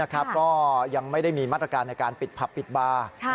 ก็ยังไม่ได้มีมาตรการในการปิดผับปิดบาร์